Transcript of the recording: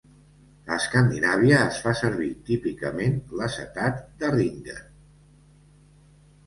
A Escandinàvia es fa servir típicament l'acetat de Ringer.